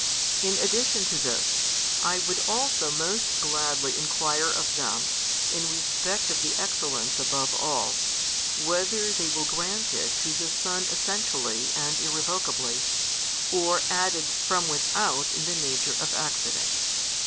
In addition to this, I would also most gladly enquire of them, in respect of the excellence above all, whether they will grant it to the Son Essentially and irrevocably, or added from without in the nature of accident.